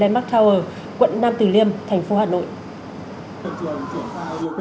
mark tower quận nam từ liêm thành phố hà nội